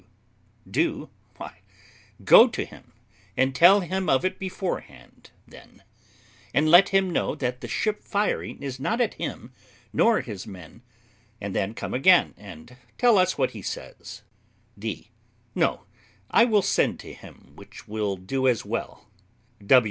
W. Do! Why, go to him, and tell him of it beforehand, then; and let him know that the ship firing is not at him nor his men; and then come again, and tell us what he says. D. No; I will send to him, which will do as well.